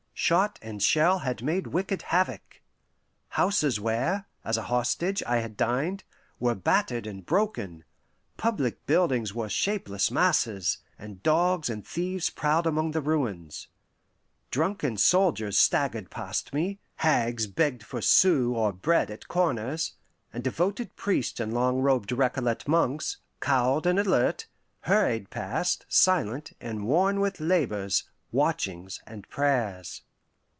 Shot and shell had made wicked havoc. Houses where, as a hostage, I had dined, were battered and broken; public buildings were shapeless masses, and dogs and thieves prowled among the ruins. Drunken soldiers staggered past me; hags begged for sous or bread at corners; and devoted priests and long robed Recollet monks, cowled and alert, hurried past, silent, and worn with labours, watchings, and prayers.